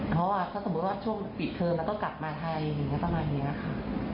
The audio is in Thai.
เพราะว่าถ้าสมมุติว่าช่วงปิดเทอมแล้วก็กลับมาไทยอย่างนี้ประมาณนี้ค่ะ